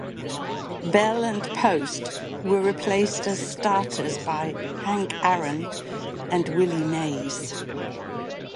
Bell and Post were replaced as starters by Hank Aaron and Willie Mays.